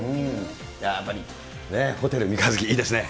やっぱりホテル三日月、いいですね。